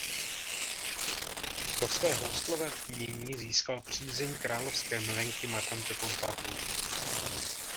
Pro své houslové umění získal přízeň královské milenky Madame de Pompadour.